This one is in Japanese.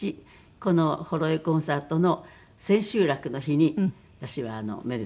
この「ほろ酔いコンサート」の千秋楽の日に私はめでたく二十歳に。